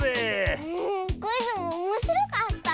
クイズもおもしろかった！